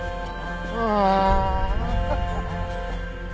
ああ。